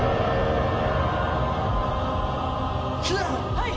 はい！